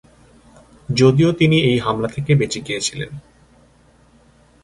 যদিও তিনি এই হামলা থেকে বেঁচে গিয়েছিলেন।